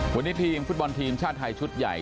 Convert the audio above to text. วันนี้ทีมฟุตบอลทีมชาติไทยชุดใหญ่